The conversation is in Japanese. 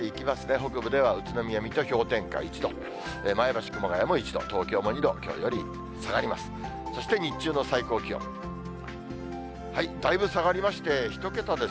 北部では宇都宮、水戸氷点下１度、前橋、熊谷も１度、東京も２度、きょうより下がります。